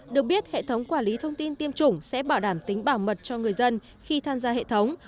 được biết hệ thống quản lý thông tin tiêm chủng sẽ bảo đảm tính bảo mật cho người dân khi tham gia hệ thống